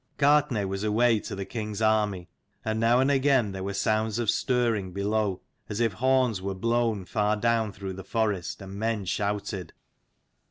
Gartnaidh was away to the king's army: and now and again there were sounds of stirring below, as if horns were blown far down through the forest, and men shouted.